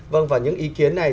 vâng và những ý kiến này